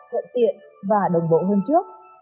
thuận tiện và đồng bộ hơn trước